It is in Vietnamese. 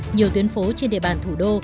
nhiều tuyến phố trên địa bàn thủ đô